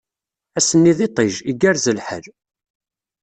Ass-nni d iṭij, igerrez lḥal.